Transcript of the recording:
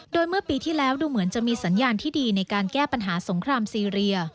โดยเมื่อปีที่แล้วดูเหมือนจะมีสัญญาณที่ดีในการแก้ปัญหาสงครามซีเรีย